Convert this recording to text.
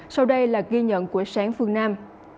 sau đây là ghi nhận của sáng phương nam